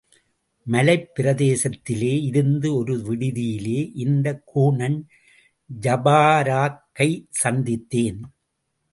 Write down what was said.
மலைப் பிரதேசத்திலே இருந்த ஒரு விடுதியிலே, இந்தக் கூனன் ஜபாரக்கைச் சந்தித்தேன்.